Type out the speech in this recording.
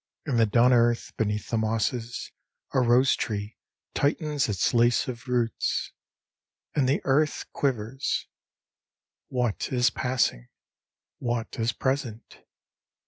In the dun earth Beneath the mosses, A rosetree tightens Its lace of roots ; And the earth quivers. What is passing ? What is present